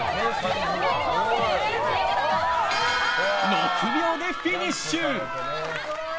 ６秒でフィニッシュ！